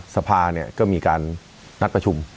สภาเนี่ยก็มีการนัดประชุม